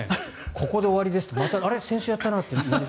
ここで終わりでいいですかって先週やったなって。